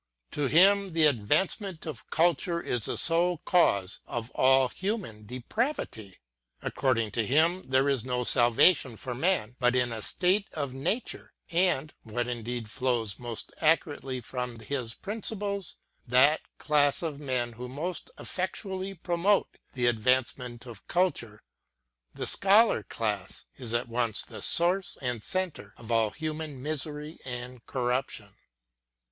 To him the advancement of culture is the sole cause of all human depravity. According to him there is no salvation for man but in a State of Nature; and — what indeed iiows most accurately from his principles — that class of men who most effectually promote the advancement of culture, — the Scholar class, — is at once the source and centre of all human misery and corruption.